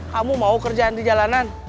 kamu mau kerjaan di jalanan